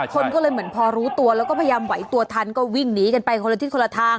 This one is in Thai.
คนก็เลยเหมือนพอรู้ตัวแล้วก็พยายามไหวตัวทันก็วิ่งหนีกันไปคนละทิศคนละทาง